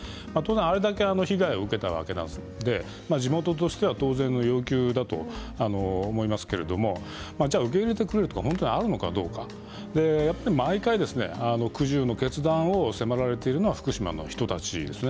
あれだけの被害を受けたわけで地元としては当然の要求だと思いますけれど受け入れてくれるところが本当にあるのかどうか毎回、苦渋の決断を迫られているのは福島の人たちなんです。